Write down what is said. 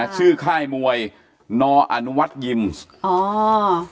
ชื่อค่ายมวยนอวยินทร์